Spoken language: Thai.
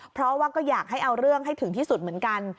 เพราะว่าก็อยากให้เอาเรื่องให้ถึงที่สุดเหมือนกัน